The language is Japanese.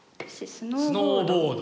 スノーボード。